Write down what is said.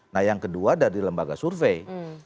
nah yang kedua dari lembaga survei